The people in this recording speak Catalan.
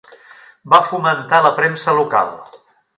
Va fomentar la premsa local